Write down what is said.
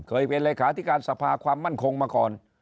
เคยเป็นเลขาธิการสภาความมั่นคงมาก่อน